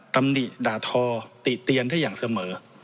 ตำหนิด่าทอติเตียนได้อย่างเสมอ